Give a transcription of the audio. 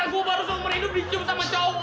gue baru seumur hidup dicium sama cowok